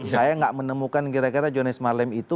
saya nggak menemukan kira kira johannes marlim itu